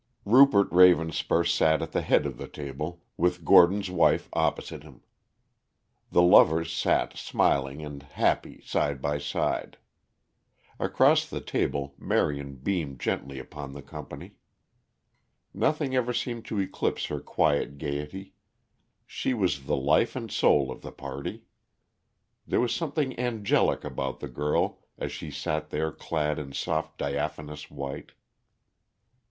Rupert Ravenspur sat at the head of the table, with Gordon's wife opposite him. The lovers sat smiling and happy side by side. Across the table Marion beamed gently upon the company. Nothing ever seemed to eclipse her quiet gaiety; she was the life and soul of the party. There was something angelic about the girl as she sat there clad in soft diaphanous white.